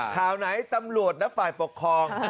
ข่าวไหนตำรวจและฝ่ายปกครอง